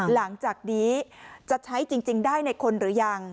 หลังจากนี้จะใช้จริงได้ในคนหรือยัง